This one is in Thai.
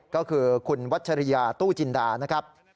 ก็คือคุณวัชริยาตู้จินดานะครับ